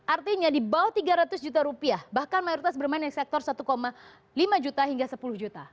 artinya di bawah tiga ratus juta rupiah bahkan mayoritas bermain di sektor satu lima juta hingga sepuluh juta